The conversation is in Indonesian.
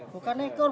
bukan ekor bu